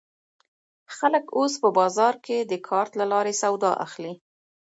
خلک اوس په بازار کې د کارت له لارې سودا اخلي.